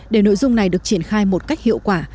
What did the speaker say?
để nội dung này được triển khai một cách hiệu quả